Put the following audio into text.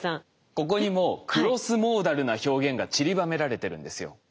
ここにもクロスモーダルな表現がちりばめられてるんですよ。